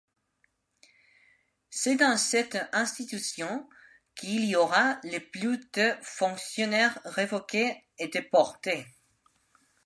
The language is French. C'est dans cette institution qu'il y aura le plus de fonctionnaires révoqués et déportés.